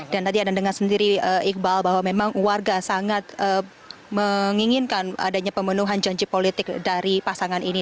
dan tadi ada dengan sendiri iqbal bahwa memang warga sangat menginginkan adanya pemenuhan janji politik dari pasangan ini